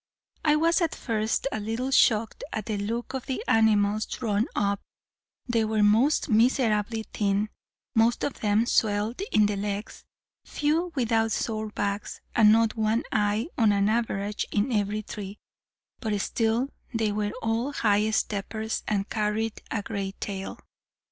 "I was at first a little shocked at the look of the animals drawn up; they were most miserably thin, most of them swelled in the legs, few without sore backs, and not one eye on an average in every three; but still they were all high steppers, and carried a great tail.